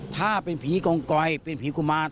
ถ้าเป็นผีกองกอยเป็นผีกุมาร